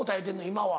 今は。